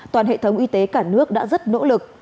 toàn hệ thống y tế cả nước đã rất nỗ lực